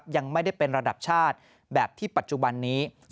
ยังไม่ได้เป็นระดับชาติแบบที่ปัจจุบันนี้